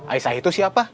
aisyah itu siapa